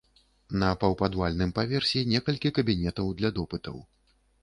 На паўпадвальным паверсе некалькі кабінетаў для допытаў.